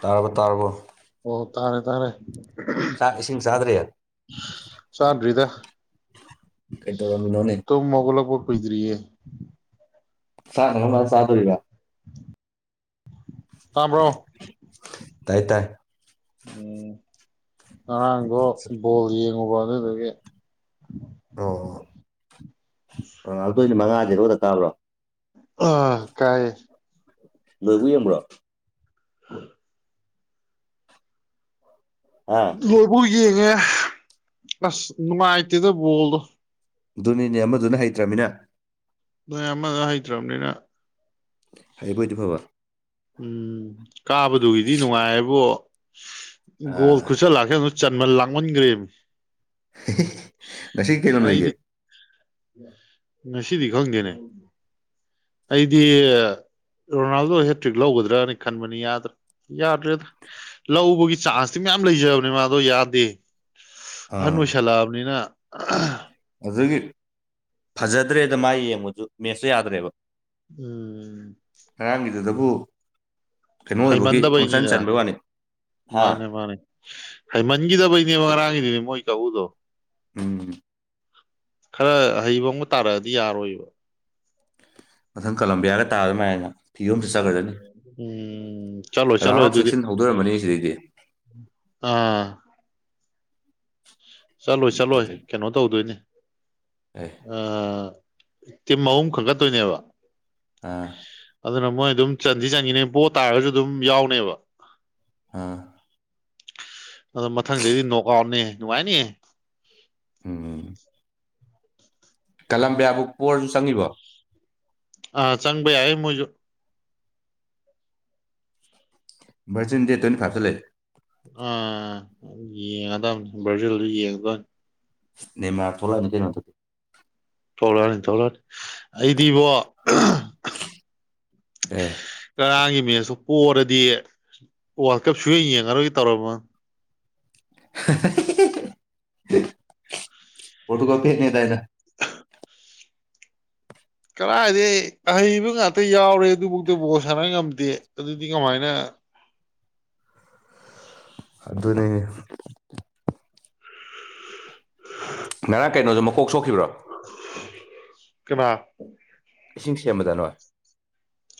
ꯇꯥꯔꯕ ꯇꯥꯔꯕꯣ ꯑꯣ ꯇꯥꯔꯦ ꯇꯥꯔꯦ ꯆꯥꯛ ꯏꯁꯤꯡ ꯆꯥꯗ꯭ꯔꯤ ꯆꯥꯗ꯭ꯔꯤꯗ ꯀꯩꯗꯧꯔꯝꯃꯤꯅꯣꯅꯦ ꯇꯨꯝ ꯍꯧꯒꯠꯂꯛꯄꯨ ꯀꯨꯏꯗ꯭ꯔꯤꯌꯦ ꯆꯥꯛꯅ ꯀꯔꯝꯀꯥꯟ ꯆꯥꯗꯣꯏꯔꯤꯕ ꯇꯥꯕ꯭ꯔꯣ ꯇꯥꯏ ꯇꯥꯏ ꯎꯝ ꯉꯔꯥꯡꯗꯣ ꯕꯣꯜ ꯌꯦꯡꯉꯨꯕ ꯑꯗꯨꯗꯨꯒꯤ ꯑꯣ [unintelligible] ꯑ ꯑꯗꯣꯏꯗꯤ ꯃꯉꯥ ꯍꯦꯔꯣꯗ ꯀꯥꯕꯔꯣ ꯑꯥ ꯇꯥꯏ ꯅꯣꯏꯕꯨ ꯌꯦꯡꯕ꯭ꯔꯣ ꯍ ꯍꯥ ꯂꯣꯏꯕꯧ ꯌꯦꯡꯉꯦ ꯑꯁ ꯅꯨꯡꯉꯥꯏꯇꯦꯗ ꯕꯣꯜꯗꯣ ꯗꯨꯅꯤꯅꯦ ꯑꯃꯗꯨꯅ ꯍꯩꯇ꯭ꯔꯃꯤꯅ ꯃꯣꯏ ꯑꯃꯗꯨ ꯍꯩꯇ꯭ꯔꯕꯅꯤꯅ ꯍꯥꯏꯕ ꯑꯣꯏꯗꯤ ꯐꯕ ꯎꯝ ꯀꯥꯕꯗꯨꯒꯤꯗꯤ ꯅꯨꯡꯉꯥꯏꯌꯦꯕꯣ ꯒꯣꯜ ꯑꯥ ꯈꯨꯆꯟ ꯂꯥꯛꯆꯟ ꯆꯟꯃꯟ ꯂꯥꯛꯃꯟꯈ꯭ꯔꯦꯃꯤ ꯉꯁꯤ ꯀꯩ ꯂꯝ ꯑꯩꯗꯤ ꯂꯩꯒꯦ ꯉꯁꯤꯗꯤ ꯈꯪꯗꯦꯅꯦ ꯑꯩꯗꯤ ꯔꯣꯅꯥꯜꯗꯣ ꯍꯦꯇ꯭ꯔꯤꯛ ꯂꯧꯒꯗ꯭ꯔꯅ ꯈꯟꯕꯅꯤ ꯌꯥꯗ꯭ꯔꯥ ꯌꯥꯗ꯭ꯔꯦꯗ ꯂꯧꯕꯒꯤ ꯆꯥꯟꯁꯇꯤ ꯃꯌꯥꯝ ꯂꯩꯖꯕꯅꯤ ꯃꯥꯗꯣ ꯌꯥꯗꯦ ꯑꯍꯟ ꯑꯥ ꯑꯣꯏꯁꯟꯂꯛꯑꯕꯅꯤꯅ ꯑ ꯑꯗꯨꯒꯤ ꯐꯖꯗ꯭ꯔꯦꯗ ꯃꯥ ꯌꯦꯡꯕꯁꯨ ꯃꯦꯠꯁꯇꯨ ꯌꯥꯗ꯭ꯔꯦꯕ ꯎꯝ ꯑꯗꯨꯕꯨ ꯍꯩꯃꯟꯗꯕꯩꯅꯤꯗ ꯍꯥ ꯃꯥꯅꯦ ꯃꯥꯅꯦ ꯍꯩꯃꯟꯈꯤꯗꯕꯩꯅꯦꯕ ꯉꯔꯥꯡꯒꯤꯗꯨ ꯃꯣꯏ ꯇꯧꯕꯗꯣ ꯎꯝ ꯈꯔ ꯑꯍꯩꯕ ꯑꯃꯒ ꯇꯥꯔꯛꯑꯗꯤ ꯌꯥꯔꯣꯏꯕ ꯃꯊꯪ ꯀꯂꯝꯕꯤꯌꯥꯒ ꯇꯥꯕꯗ ꯃꯥꯏꯅ ꯐꯤꯕꯝ ꯑꯃꯁꯨ ꯆꯠꯈ꯭ꯔꯖꯅꯤ ꯎꯝ ꯆꯠꯂꯣ ꯆꯠꯂꯣ ꯔꯥꯎꯟ ꯑꯣꯐ ꯑꯗꯨꯗꯤ ꯁꯤꯛꯁꯇꯤꯟ ꯍꯧꯗꯣꯔꯝꯃꯅꯤ ꯁꯤꯗꯩꯗꯤ ꯑꯥ ꯆꯠꯂꯣꯏ ꯆꯠꯂꯣꯏ ꯑꯗꯨꯗꯩ ꯀꯩꯅꯣ ꯇꯧꯗꯣꯏꯅꯤ ꯑꯦ ꯑ ꯇꯤꯝ ꯑꯍꯨꯝ ꯈꯛꯀꯠꯇꯣꯏꯅꯦꯕ ꯑꯥ ꯑꯗꯨꯅ ꯃꯣꯏ ꯑꯗꯨꯝ ꯆꯟꯗꯤ ꯆꯟꯈꯤꯅꯤ ꯕꯣ ꯇꯥꯔꯒꯁꯨ ꯑꯗꯨꯝ ꯌꯥꯎꯅꯦꯕ ꯑꯥ ꯑꯗꯣ ꯃꯊꯪꯗꯗꯤ ꯅꯣꯛ ꯑꯥꯎꯠꯅꯦ ꯅꯨꯡꯉꯥꯏꯅꯤ ꯎꯝ ꯀꯂꯝꯕꯤꯌꯥꯕꯨ ꯄꫭꯔꯁꯨ ꯆꯪꯉꯤꯕꯣ ꯑꯥ ꯆꯪꯕ ꯌꯥꯏ ꯃꫭꯏꯁꯨ ꯚꯔꯖꯤꯟ ꯗꯦꯠ ꯇꫭꯏꯟꯇꯤꯐꯥꯏꯚꯇ ꯂꯩ ꯑꯥ ꯌꯦꯡꯉꯗꯕꯅꯤ ꯕ꯭ꯔꯥꯖꯤꯜꯗꯨ ꯌꯦꯡꯉꯗꯣꯏꯅꯤ ꯅꯦꯃꯥꯔ ꯊꯣꯛꯂꯛ ꯑꯅꯤ ꯀꯩꯅꫭ ꯍꯟꯇꯛꯇꯤ ꯊꯔꯛꯑꯅꯤ ꯊꫭꯔꯛꯑꯅꯤ ꯑꯩꯗꯤ ꯏꯕꯣ ꯑꯦ ꯉꯔꯥꯡꯒꯤ ꯃꯦꯠꯁꯇꯨ ꯄꯣꯛꯔꯗꯤ ꯋꯥꯔꯜ ꯀꯞ ꯁꯨꯌꯦꯡ ꯌꯦꯡꯉꯔꯣꯏꯒꯦ ꯇꯧꯔꯝ ꯃꯝ ꯄꫭꯔꯇꯨꯒꯜ ꯐꯦꯛꯅꯦ ꯗꯥꯏꯅꯦ ꯀꯔꯥꯏꯗꯩ ꯑꯍꯩꯕ ꯉꯥꯛꯇ ꯌꯥꯎꯔꯦ ꯑꯗꯨꯚꯥꯎꯗ ꯗꯕꯣꯜ ꯁꯥꯟꯅ ꯉꯝꯗꯦ ꯑꯗꯨꯗꯤ ꯀꯃꯥꯏꯅ ꯑꯗꯨꯅꯤꯅꯦ ꯉꯔꯥꯡ ꯀꯩꯅꯣꯁꯨꯣ ꯃꯀꯣꯛ ꯁꯣꯛꯈꯤꯕ꯭ꯔꯣ ꯀꯅꯥ ꯏꯁꯤꯡ ꯁꯦꯝꯕꯗ ꯅꯣꯏ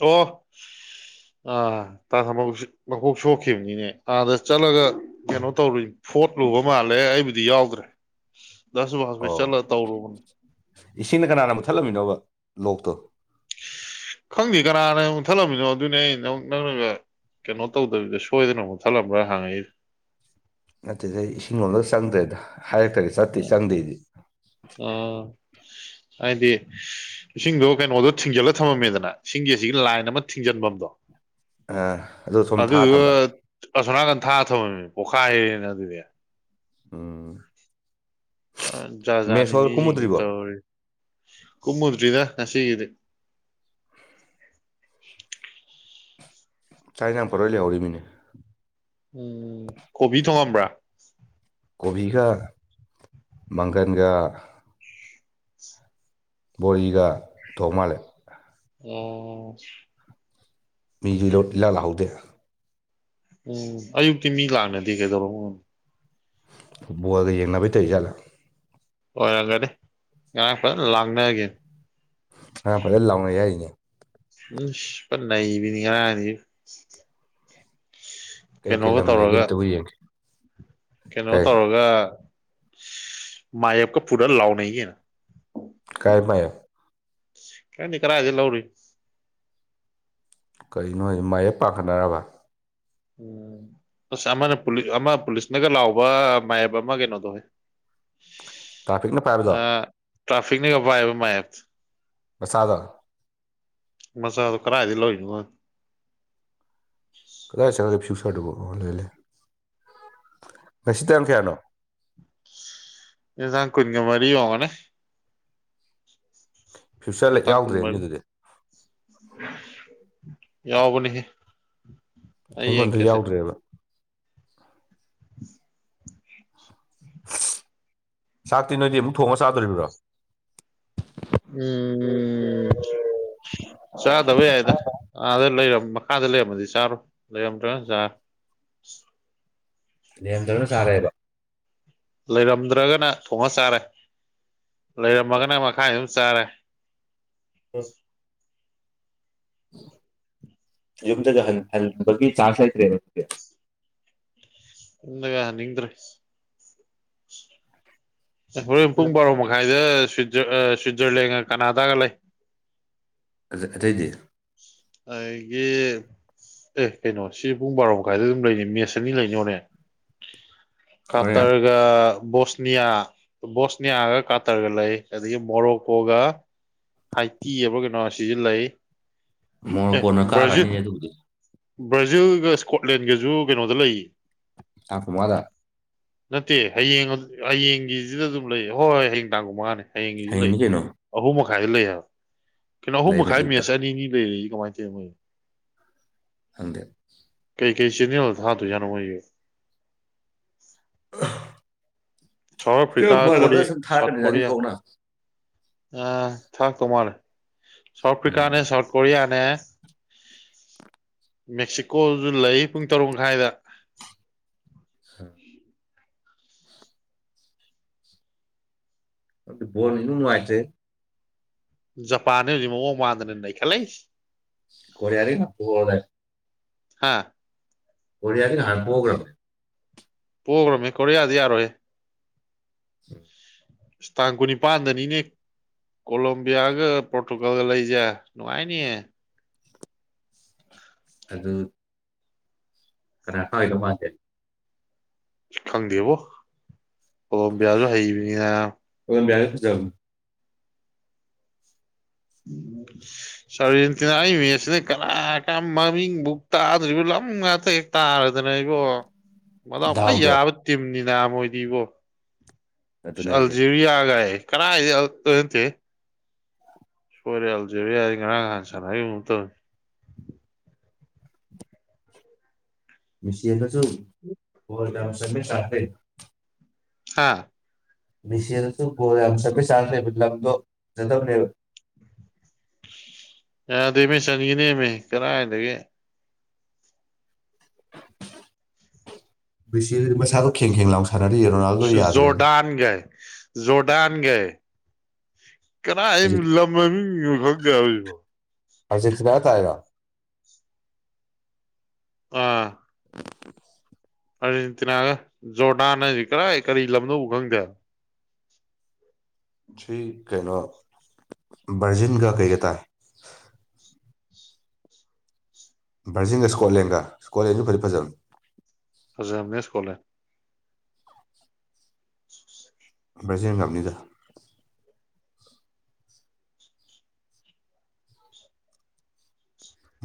ꯑꯣ ꯑꯥ ꯇꯥ ꯊꯝꯕꯧ ꯁꯤ ꯃꯀꯣꯛ ꯁꯣꯛꯈꯤꯕꯅꯤꯅꯦ ꯑꯥꯗ ꯆꯠꯂꯒ ꯀꯩꯅꯣ ꯇꯧꯔꯨꯏ ꯐꯣꯠ ꯂꯨꯕ ꯃꯥꯜꯂꯦ ꯑꯩꯕꯨꯗꯤ ꯌꯥꯎꯗ꯭ꯔꯦ ꯗꯥ ꯁꯨꯕꯥꯁ ꯍꯣꯏ ꯑꯣ ꯆꯠꯂ ꯇꯧꯔꯨꯕꯅꯦ ꯏꯁꯤꯡꯅ ꯀꯅꯥꯅ ꯃꯨꯊꯠꯂꯝꯃꯤꯅꯣꯕ ꯂꯣꯛꯇ ꯈꯪꯗꯦ ꯀꯅꯥꯅ ꯃꯨꯛꯊꯠꯂꯝꯃꯤꯅꯣ ꯑꯗꯨꯅꯦ ꯑꯩ ꯅꯪ ꯅꯪꯅꯒ ꯀꯩꯅꯣ ꯇꯧꯗꯕꯤꯗ ꯁꯣꯏꯗꯅ ꯑꯃꯨꯛ ꯃꯨꯛꯊꯠꯂꯝꯕ꯭ꯔꯥ ꯍꯥꯡꯉꯛꯏꯗꫭ ꯑꯗꯨꯗꯩ ꯏꯁꯤꯡ ꯂꯣꯝꯗꯒ ꯆꯪꯗ꯭ꯔꯦꯗ ꯍꯥꯏꯔꯛꯇꯗꯤ ꯆꯠꯇꯦ ꯎꯝ ꯆꯪꯗꯦ ꯑꯩꯗꯤ ꯑꯥ ꯍꯥꯏꯗꯤ ꯏꯁꯤꯡꯗꯣ ꯀꯩꯅꯣꯗꯣ ꯊꯤꯡꯖꯤꯜꯂ ꯊꯝꯃꯝꯃꯦꯗꯅ ꯏꯁꯤꯡꯒꯤ ꯑꯁꯤꯒꯤ ꯂꯥꯏꯟ ꯑꯃ ꯊꯤꯡꯖꯤꯟꯐꯝ ꯗꯣ ꯑ ꯑꯗꯨ ꯁꯨꯝ ꯊꯥ ꯇꯝꯕ ꯑꯁꯣꯅꯥꯀꯟ ꯊꯥ ꯊꯝꯃꯝꯃꯤꯅꯤ ꯄꯣꯛꯈꯥꯏ ꯔꯦꯅ ꯑꯗꯨꯗꯤ ꯎꯝ ꯑ ꯖꯥꯠ ꯖꯥꯠꯅꯤ ꯃꯦꯁꯣꯜ ꯃꯤꯁꯤꯡꯁꯤ ꯀꯨꯝꯃꯨꯗ꯭ꯔꯤꯕꯣ ꯇꯧꯔꯤ ꯀꯨꯝꯃꯗꯔꯤꯗ ꯉꯁꯤꯒꯤꯗꯤ [inaudible] ꯆꯥꯛ ꯍꯤꯟꯖꯥꯡ ꯄꫭꯠꯂꫭꯏ ꯂꯩꯍꯧꯔꯤꯃꯤꯅꯦ ꯎꯝ ꯀꯣꯕꯤ ꯊꫭꯡꯉꯝꯕ꯭ꯔꯥ [inaudible] ꯀꯣꯕꯤꯒ ꯃꯪꯒꯟꯒ ꯕꯣꯔꯤꯒ ꯊꯣꯡꯃꯥꯜꯂꯦ ꯑꯣ ꯃꯤꯁꯨ ꯂꯣꯠ ꯏꯂꯥꯛ ꯂꯥꯛꯍꯧꯗꯦ ꯎꯝ ꯑꯌꯨꯛꯇꯤ ꯃꯤ ꯂꯥꯛꯅꯗꯦ ꯀꯩꯗꯧꯔꯕꯅꫭ ꯐꯨꯠꯕꫭꯜꯒ ꯌꯦꯡꯅꯕꯩ ꯇꯧꯔꯤ ꯖꯥꯠꯂꯥ ꯑꯣꯏꯔꯝꯒꯅꯤ ꯉꯔꯥꯡ ꯐꯖ ꯂꯥꯡꯅꯒꯤꯝ ꯉꯔꯥꯡ ꯐꯖꯅ ꯂꯥꯎꯩꯅ ꯌꯥꯏꯔꯤꯅꯦ ꯎꯁ ꯄꯟ ꯅꯩꯕꯤꯅꯤ ꯉꯔꯥꯡꯗꯤ ꯀꯩ ꯀꯩ ꯀꯩꯅꯣꯒ ꯂꯝ ꯂꯩꯒꯦ ꯇꯧꯔꯒ ꯑꯝꯇꯕꯨ ꯌꯦꯡꯒꯦ ꯀꯩꯅꯣ ꯀꯩ ꯇꯧꯔꯒ ꯃꯥꯏꯌꯦꯞꯀ ꯄꯨꯔ ꯂꯥꯎꯅꯦ ꯀꯩꯅꯣ꯫ ꯃꯥꯥꯏ ꯅꯪꯗꯤ ꯀꯥꯏꯗꯒꯤ ꯂꯧꯔꯨꯏꯕ ꯀꯩꯅꯣ ꯍꯥꯏ ꯃꯥꯏꯌꯦꯞ ꯄꯥꯈꯠꯅꯔꯕ ꯎꯝ ꯑꯁ ꯑꯃꯅ ꯑꯃ ꯄꯨꯂꯤꯁꯅꯒ ꯂꯥꯎꯕ ꯃꯞ ꯑꯃ ꯀꯩꯅꯣꯗꯣ ꯍꯣꯏ ꯇ꯭ꯔꯥꯐꯤꯛꯅ ꯄꯥꯏꯕꯗꯣ ꯇ꯭ꯔꯥꯐꯤꯛꯅꯦꯒ ꯄꯥꯏꯕ ꯃꯥꯏꯌꯦꯞꯇꯣ ꯃꯁꯥꯗ ꯃꯆꯥꯗꯣ ꯀꯥꯏꯗꯩ ꯂꯧꯔꯤꯅꯣ ꯈꯪꯗꯦ ꯀꯗꯥꯥꯏ ꯆꯪꯉꯒꯦ ꯐꯁ ꯀꯗꯨꯕꯨ ꯑꯥ ꯂꯩꯔꯦ ꯂꯩꯔꯦ ꯉꯁꯤ ꯇꯥꯡ ꯀꯌꯥꯅꯣ ꯀꯨꯟꯒ ꯃꯔꯤ ꯉꯥꯎꯔꯝꯅꯤ ꯐ꯭ꯌꯨꯆꯔ ꯇꯥꯛ ꯀꯨꯟ ꯌꯥꯎꯗ꯭ꯔꯦꯅꯦ ꯃꯔꯤ ꯑꯗꯨꯗꯤ ꯌꯥꯎꯕꯅꯦꯍꯦ ꯑꯩ ꯑꯩꯉꯣꯟꯗ ꯌꯦꯡꯒꯦꯁꯦ ꯌꯥꯎꯗ꯭ꯔꯦꯕ [unintelligible] [inaudible] [unintelligible] ꯆꯥꯛꯇꯤ ꯅꯣꯏꯗꯤ ꯑꯃꯨꯛ ꯊꯣꯡꯉ ꯆꯥꯗꯣꯔꯤꯕ꯭ꯔꯣ ꯎꯝ ꯆꯥꯗꯕ ꯌꯥꯏꯗ ꯑꯥꯗ ꯂꯩꯔꯝꯃ ꯃꯈꯥꯗ ꯂꯩꯔꯝꯃꯗꯤ ꯆꯥꯔꯣ ꯂꯩꯔꯝꯗ꯭ꯔ ꯆꯥꯔ ꯂꯩꯔꯝꯗꯔ ꯆꯥꯔꯦꯕ ꯂꯩꯔꯝꯗ꯭ꯔꯒꯅ ꯊꯣꯡꯉ ꯆꯥꯔꯦ ꯂꯩꯔꯝꯃꯒꯅ ꯃꯈꯥꯏ ꯑꯗꯨꯝ ꯆꯥꯔꯦ ꯍ [unintelligible] ꯌꯨꯝꯗ ꯍꯟꯕꯒꯤ ꯆꯥꯟꯁ ꯂꯩꯇꯔꯦꯕ ꯑꯗꯨꯗꯤ ꯌꯨꯝꯗꯒ ꯍꯟꯅꯤꯡꯗ꯭ꯔꯦ ꯍꯣꯔꯦꯟ ꯄꯨꯡ ꯕꯥꯔꯣ ꯃꯈꯥꯏꯗ ꯁ꯭ꯋꯠꯖꯔꯂꯦꯟ ꯀꯅꯥꯗꯒ ꯂꯩ ꯑꯇꯩ ꯑꯇꯩꯗꯤ ꯑꯩꯒꯤ ꯑꯦ ꯀꯩꯅꯣ ꯁꯤ ꯄꯨꯡ ꯕꯥꯔꯣ ꯃꯈꯥꯏꯗ ꯑꯗꯨꯝ ꯂꯩꯅꯤ ꯃꯦꯁ ꯑꯅꯤ ꯂꯩꯅꯦ ꯍꯣꯔꯦꯟ ꯍꯣꯔꯦꯟ ꯀꯥꯇꯔꯒ ꯕꯣꯁꯅꯤꯌꯥ ꯕꯣꯁꯅꯤꯌꯥꯒ ꯀꯥꯇꯔꯒ ꯂꯩ ꯑꯗꯒꯤ ꯃꯣꯔꯣꯛꯀꯣꯒ ꯍꯥꯏꯇꯤ ꯍꯥꯏꯕꯔ ꯀꯩꯅꯣ ꯁꯤꯁꯨ ꯂꯩ꯫ ꯑꯦ ꯃꯣꯔꯣꯀꯣꯟꯅ ꯕ꯭ꯔꯥꯖꯤꯜ ꯀꯥꯈ꯭ꯔꯅꯤꯅꯦ ꯑꯗꯨꯕꯨꯗꯤ ꯕ꯭ꯔꯥꯖꯤꯜꯒ ꯏꯁꯀꯣꯠꯂꯦꯟꯒꯖꯁꯨ ꯀꯩꯅꯣꯗ ꯂꯩꯌꯦ ꯇꯥꯡ ꯀꯨꯟ ꯃꯉꯥꯗ ꯅꯠꯇꯦ ꯍꯌꯦꯡ ꯍꯌꯦꯡꯒꯤꯁꯤꯗ ꯑꯗꯨꯝ ꯂꯩ ꯍꯣꯏ ꯍꯣꯏ ꯍꯌꯦꯡ ꯇꯥꯡ ꯀꯨꯟ ꯃꯉꯥꯅꯦ꯫ ꯍꯌꯦꯡꯒꯤꯁꯨ ꯂꯩ ꯍꯌꯦꯡꯅꯤ ꯀꯩꯅꯣ ꯑꯍꯨꯝ ꯈꯥꯏ ꯂꯩ ꯌꯥ ꯀꯩꯅꯣ ꯑꯍꯨꯝ ꯂꯩꯕꯅꯦ ꯃꯈꯥꯏ ꯑꯌꯨꯛꯇ ꯃꯦꯠꯆ ꯑꯅꯤꯅꯤ ꯂꯩꯔꯛꯏ ꯀꯃꯥꯏ ꯇꯧꯏꯅꯣ ꯃꯣꯏ ꯈꯪꯗꯦ ꯀꯩ ꯆꯦꯅꯦꯜꯗ ꯊꯥꯗꯣꯏ ꯖꯥꯠꯅꯣ ꯃꯣꯏꯁꯦ [unintelligible] ꯁꯥꯎꯠ ꯑꯐ꯭ꯔꯤꯀꯥ ꯀꯣꯔꯤ [unintelligible] ꯊꯥꯔꯛ ꯁꯥꯎꯠ ꯀꯅꯤꯗ ꯑꯅꯤ ꯀꯣꯔꯤꯌꯥ ꯊꯣꯛꯅ ꯑ ꯊꯥꯔꯛꯇꯧ ꯃꯥꯜꯂꯦ ꯁꯥꯎꯠ ꯎꯝ ꯑꯐ꯭ꯔꯤꯀꯥꯅꯦ ꯁꯥꯎꯠ ꯀꯣꯔꯤꯌꯥ ꯅꯦ ꯃꯦꯛꯁꯤꯀꯣꯁꯨ ꯂꯩ ꯄꯨꯡ ꯇꯔꯨꯛ ꯃꯈꯥꯏꯗ [unintelligible] ꯑꯗꯨ ꯕꯣꯜꯅ ꯏꯅꯨꯡ ꯅꯨꯉꯥꯏꯇꯔꯦ ꯖꯄꯥꯟꯅꯦ ꯍꯧꯖꯤꯛ ꯃꯑꯣꯡ ꯃꯥꯟꯗꯅ ꯅꯩꯈꯠꯂꯛꯏꯁꯤ ꯀꯣꯔꯌꯥꯗꯤ ꯄꯣ [unintelligible] ꯔꯗꯥꯏ ꯍꯥꯥ ꯀꯣꯔꯤꯌꯥꯗꯤ ꯅꯍꯥꯟ ꯄꯣꯈꯔꯥꯕꯅꯦ ꯄꯣꯛꯈ꯭ꯔꯕꯅꯦ ꯀꯣꯔꯤꯌꯥꯗ ꯌꯥꯔꯣꯏꯍꯦ ꯇꯥꯡ ꯀꯨꯟꯅꯤꯄꯥꯟꯗꯅꯤꯅꯦ ꯀꯣꯂꯣꯝꯕꯤꯌꯥꯒ ꯄꯣꯔꯇꯨꯒꯥꯜꯒ ꯂꯩꯁꯦ ꯅꯨꯡꯉꯥꯏꯅꯤꯌꯦ ꯑꯗꯨ ꯀꯅꯥ ꯍꯥꯏꯗꯧ ꯃꯥꯟꯗꯦ ꯈꯪꯗꯦꯕꯣ ꯑꯣꯕꯤꯌꯥꯁꯨ ꯍꯩꯕꯤꯅꯤ ꯅꯥꯕ ꯕꯤꯌꯥꯁꯨ ꯐꯖꯕꯅꯦ ꯎꯝ ꯁꯥꯔꯖꯦꯟꯇꯤꯅꯥ ꯏ ꯃꯁꯤꯅ ꯀꯅꯥ ꯀ ꯃꯃꯤꯡꯕꯨꯛ ꯇꯥꯗ꯭ꯔꯤꯕ ꯂꯝ ꯉꯥꯛꯇ ꯍꯦꯛ ꯇꯥꯔ ꯗꯅ ꯏꯕꯣ ꯃꯗꯥꯎ ꯈꯨꯋꯥꯏ ꯗꯥꯎꯗꯣ ꯌꯥꯕ ꯇꯤꯝꯅꯤ ꯅꯥꯕ ꯃꯣꯏꯗꯤ ꯏꯕꯣ ꯑꯗꯨꯅꯦ ꯍꯥꯏꯁꯦ ꯑꯜꯖꯤꯔꯤꯌꯥ ꯒꯥꯏꯌꯦ ꯀꯗꯥꯏꯗꯩ ꯑꯜ ꯑꯜꯇꯦꯍꯦ ꯁꯣꯏꯔꯦ ꯑꯜꯖꯤꯕꯤꯌꯥꯗꯤ ꯉꯔꯥꯡ ꯅꯍꯥꯟ ꯁꯥꯟꯅꯈꯤꯕꯔꯥ ꯀꯩꯅꯣꯝ ꯇꯧꯕꯅꯦ [inaudible] ꯃꯤꯆꯦꯜꯗ ꯁꯨ ꯒꯣꯜ ꯌꯥꯝ ꯆꯟꯕꯩ ꯆꯥꯟꯁ ꯂꯩ ꯍꯥꯥ ꯃꯦꯁꯤ ꯍꯟꯗꯛꯁꯨ ꯒꯣꯜ ꯌꯥꯝ ꯆꯟꯕꯩ ꯆꯥꯟꯁ ꯂꯩꯕ ꯂꯥꯝꯗꯣ ꯐꯖꯗꯕꯅꯦꯕ ꯌꯥꯗꯃꯤ ꯆꯥꯟꯒꯤꯅꯦꯃꯤ ꯀꯗꯥꯏꯗꯒꯤ ꯃꯦꯁꯤꯗꯨꯗꯤꯒ ꯃꯁꯥꯗꯣ ꯀꯦꯡ ꯀꯦꯡ ꯂꯥꯎꯏ ꯐꯗꯥꯗꯤ ꯔꯣꯅꯥꯜꯗꯣ ꯌꯥꯗ꯭ꯔꯦ ꯖꯣꯔꯗꯥꯥꯟꯒꯦ ꯀꯗꯥꯏ ꯍꯧꯖꯤꯛ ꯂꯝ ꯃꯃꯤꯡꯅꯣ ꯈꯪꯗꯦ ꯍꯥꯏꯕꯖꯤꯕꯣ ꯑꯥꯔꯖꯦꯟꯇꯤꯅꯒ ꯇꯥꯏꯔꯣ ꯑꯥ ꯑꯥꯔꯖꯦꯟꯇꯤꯅꯥꯒ ꯖꯣꯔꯗꯥꯟ ꯍꯥꯏꯁꯤ ꯀꯔꯥꯏ ꯀꯔꯤ ꯂꯝꯅꯣꯕꯨ ꯈꯪꯗꯦ ꯍꯥꯏꯕ ꯇꯔꯤ ꯀꯩꯅꯣ ꯕꯔꯖꯤꯟꯒ ꯀꯩꯒ ꯇꯥꯏ ꯕꯔꯖꯤꯟꯒ ꯁ꯭ꯀꯣꯠꯂꯦꯟꯒ ꯁ꯭ꯀꯣꯠꯂꯦꯟꯁꯨ ꯐꯗꯤ ꯐꯖꯕꯅꯤ ꯍꯧꯖꯤꯛ ꯂꯩꯔꯝꯅꯤ ꯁꯀꯣꯠꯂꯦꯟ [unintelligible] ꯕ꯭ꯔꯥꯖꯤꯟꯅ ꯉꯝꯅꯤꯗ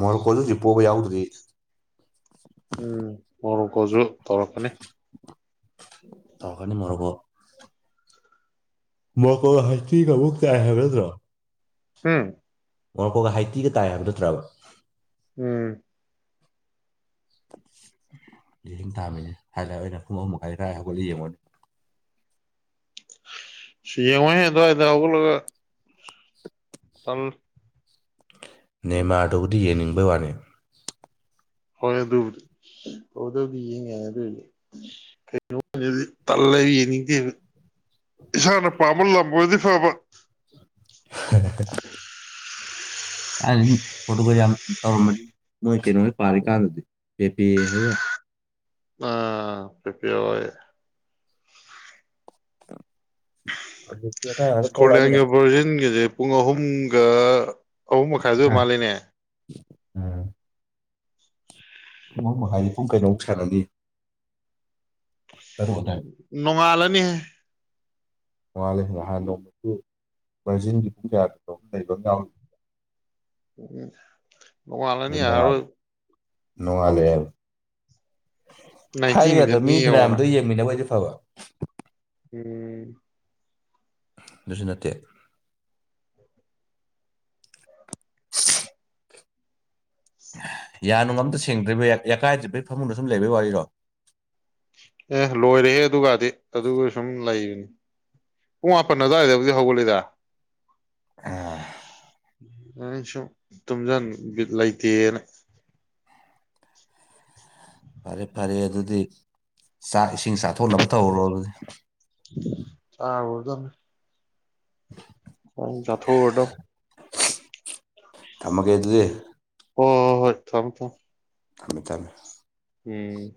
ꯃꯣꯔꯣꯀꯣꯗꯣ ꯍꯧꯖꯤꯛ ꯄꯣꯕꯥ ꯌꯥꯎꯗ꯭ꯔꯤ ꯎꯝ ꯃꯣꯔꯣꯀꯣꯖꯨ ꯇꯧꯔꯛꯀꯅꯤ ꯇꯧꯔꯛꯀꯥꯅꯤ ꯃꯣꯔꯣꯀꯣ ꯃꯣꯔꯣꯀꯣ ꯍꯥꯏꯇꯤꯒ ꯑꯃꯨꯛ ꯇꯥꯏ ꯍꯥꯏꯕ ꯅꯠꯇ꯭ꯔꯣ ꯍꯨꯝ ꯃꯣꯔꯣꯀꯣꯒ ꯍꯥꯏꯇꯤꯒ ꯇꯥꯏ ꯍꯥꯏꯕ ꯅꯠꯇ꯭ꯔꯕ ꯎꯝ ꯂꯤꯁꯤꯡ ꯇꯥꯝꯃꯤ ꯍꯥꯏꯕ ꯑꯩꯅ ꯄꯨꯡ ꯑꯍꯨꯝ ꯃꯈꯥꯏ ꯑꯗꯥꯏ ꯍꯧꯒꯠꯂ ꯌꯦꯡꯉꯨꯔꯦ ꯁꯤ ꯌꯦꯡꯉꯨꯅꯨꯍꯦ ꯑꯗꯥꯏꯗ ꯍꯧꯒꯠꯂꯒ [inaudible] [unintelligible] ꯅꯦꯃꯥꯔꯗꯧꯗꯤ ꯌꯦꯡꯅꯤꯡ ꯕꯩ ꯋꯥꯅꯦ ꯍꯣꯏ ꯑꯗꯨꯕꯨꯗꯤ ꯑꯗꯥꯕꯨꯗꯤ ꯌꯦꯡꯌꯥꯏ ꯑꯗꯨꯅꯦ ꯀꯩꯅꯣ ꯇꯜꯂꯦ ꯌꯦꯡꯅꯤꯡꯗꯦꯕ ꯏꯁꯥꯅ ꯄꯥꯝꯕ ꯂꯝ ꯑꯣꯏꯗꯤ ꯐꯥꯕ [unintelligible] [unintelligible] ꯄ꯭ꯔꯣꯇꯨꯒꯜ ꯌꯥꯝ ꯇꯧꯔꯝꯃꯅꯤ ꯂꯣꯏ ꯀꯩꯅꯣ ꯄꯥꯔꯤꯀꯥꯟꯗꯗꯤ ꯄꯦ ꯄꯦ ꯍꯣꯢꯒ ꯑꯥ ꯄꯦ ꯄꯦ ꯍꯣꯏ ꯍꯧꯖꯤꯛꯇꯤ ꯑꯉꯥꯡ ꯉꯥꯛꯇ ꯊꯣꯛꯂꯛꯑꯃꯤꯅ ꯁꯀꯣꯠꯂꯦꯟꯒ ꯕ꯭ꯔꯥꯖꯤꯟꯒꯁꯦ ꯄꯨꯡ ꯑꯍꯨꯝꯒ ꯑꯍꯨꯝ ꯃꯈꯥꯢꯗ ꯑꯣꯢ ꯃꯥꯜꯂꯦꯅꯦ ꯎꯝ ꯄꯨꯡ ꯑꯍꯨꯝ ꯃꯈꯥꯏꯅꯤ ꯄꯨꯡ ꯀꯩꯅꯣꯃꯨꯛ ꯁꯥꯟꯅꯅꯤ ꯇꯔꯨꯛ ꯑꯗꯥꯏ ꯅꯣꯡꯉꯥꯜꯂꯅꯤꯍꯦ ꯃꯉꯥꯜ ꯂꯩ ꯅꯍꯥꯟ ꯅꯣꯡꯃꯁꯨ ꯕ꯭ꯔꯖꯤꯟꯒꯤ ꯄꯨꯡ ꯀꯌꯥꯗ ꯅꯣꯝ ꯂꯩꯕ ꯑꯃ ꯌꯥꯎꯔꯤ ꯅꯣꯡꯉꯥꯜꯂꯅꯤ ꯑꯗꯨ ꯌꯥꯔꯥꯔꯣꯏ ꯅꯣꯡꯉꯥꯜꯂꯦ ꯅꯥꯏꯟꯇꯤ ꯊꯥꯏꯔꯤꯉꯩꯗ ꯃꯤꯅꯠꯅꯤ ꯃꯤ ꯌꯦꯡꯉꯣꯅ ꯐꯅꯌꯥꯝꯇ ꯌꯦꯡꯃꯤꯟꯅꯕ ꯊꯕ ꯎꯝ ꯑꯗꯨꯁꯨ ꯅꯠꯇꯦ ꯌꯥꯅꯨꯡ ꯑꯝꯇ ꯁꯦꯡꯗ꯭ꯔꯤ ꯕꯌꯥ ꯌꯥꯀꯥꯏꯗꯕꯩ ꯐꯃꯨꯡꯗꯣ ꯁꯨꯝ ꯂꯩꯕꯩ ꯋꯥꯔꯤꯔꯣ ꯑꯦ ꯂꯣꯏꯔꯦꯍꯦ ꯑꯗꯨꯒꯗꯤ ꯑꯗꯨꯒ ꯁꯨꯝ ꯂꯩꯕꯅꯤ ꯄꯨꯡ ꯃꯥꯄꯟ ꯑꯗꯨꯋꯥꯏꯗꯕꯨꯗꯤ ꯍꯧꯒꯠꯂꯤꯗ ꯑꯣ ꯑꯩ ꯁꯨꯝ ꯇꯨꯝꯁꯤꯟ ꯕꯤꯠ ꯂꯩꯇꯦꯅ ꯐꯔꯦ ꯐꯔꯦ ꯑꯗꯨꯗꯤ ꯆꯥꯛ ꯏꯁꯤꯡ ꯆꯥꯊꯣꯛꯅꯕ ꯇꯧꯔꯣ ꯑꯗꯨꯗꯤ ꯆꯥꯔꯨꯔꯗꯕꯅꯦ ꯆꯥꯊꯣꯛꯎꯔꯗꯧꯅꯦ ꯊꯝꯃꯒꯦ ꯑꯗꯨꯗꯤ꯫ ꯍꯣ ꯍꯣ ꯍꯣꯏ ꯊꯝꯃꯣ ꯊꯝꯃꯣ ꯊꯝꯃꯦ ꯊꯝꯃꯦ ꯎꯝ